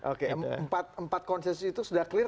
oke empat konsensus itu sudah clear